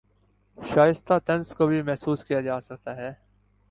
شائستہ طنز کو بھی محسوس کیا جاسکتا ہے